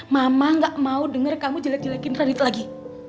mama gak mau denger kamu jelek jelekin radit lagi